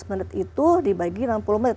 tiga puluh menit itu dibagi enam puluh menit